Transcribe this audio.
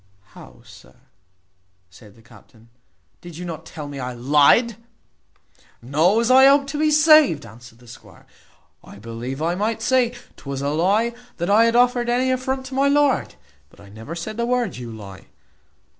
"How, sir," said the captain, "did you not tell me I lyed?" "No, as I hope to be saved," answered the squire, " I believe I might say, 'Twas a lie that I had offered any affront to my lord but I never said the word, `you lie.'